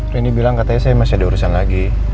reni bilang katanya saya masih ada urusan lagi